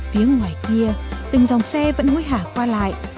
phía ngoài kia từng dòng xe vẫn hối hả qua lại